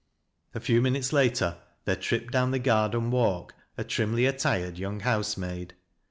A few minutes later there tripped down the garden ralk a trimly attired young housemaid.